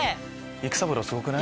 育三郎すごくない？